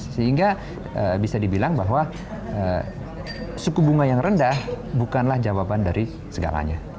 sehingga bisa dibilang bahwa suku bunga yang rendah bukanlah jawaban dari segalanya